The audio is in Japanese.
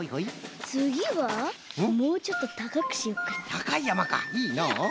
たかいやまかいいのう。